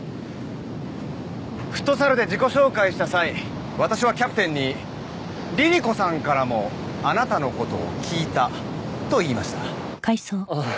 フットサルで自己紹介した際私はキャプテンにリリ子さんからもあなたのことを聞いたと言いましたああ